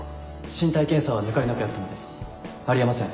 身体検査は抜かりなくやったのであり得ません。